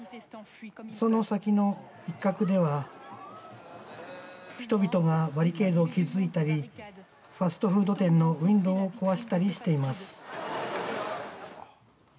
その先の一角では人々がバリケードを築いたりファストフード店のウインドーを壊したりしています。